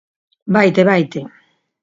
–Vaite, vaite.